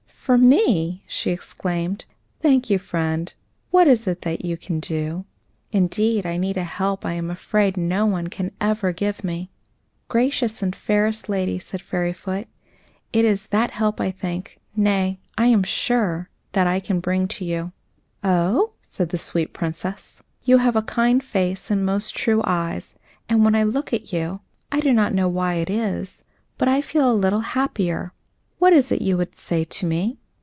"For me!" she exclaimed. "Thank you, friend; what is it you can do? Indeed, I need a help I am afraid no one can ever give me." "Gracious and fairest lady," said Fairyfoot, "it is that help I think nay, I am sure that I bring to you." "Oh!" said the sweet Princess. "You have a kind face and most true eyes, and when I look at you I do not know why it is, but I feel a little happier. What is it you would say to me?"